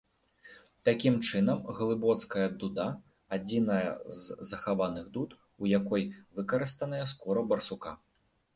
Такім чынам, глыбоцкая дуда адзіная з захаваных дуд, у якой выкарыстаная скура барсука.